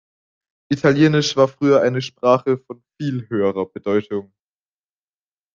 Italienisch war früher eine Sprache von viel höherer Bedeutung.